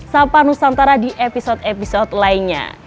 sampanung santara di episode episode lainnya